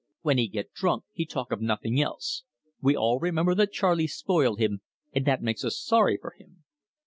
When he get drunk he talk of nothing else. We all remember that Charley spoil him, and that make us sorry for him.